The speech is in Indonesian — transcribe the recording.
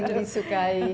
yang paling disukai